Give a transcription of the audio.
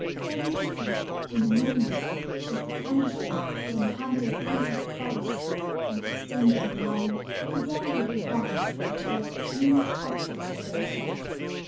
Very different, in a moment, was the condition when the hunters entered the forest and, extended in line, began their advance toward the huge objects of their search.